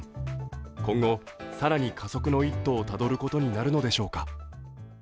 今後、更に加速の一途をたどることになるのでしょうか。